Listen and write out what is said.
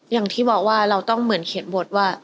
อย่างที่บอกว่าเราต้องเหมือนเขียนบทว่า